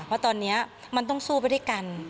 เพราะตอนนี้มันต้องสู้ไปด้วยกัน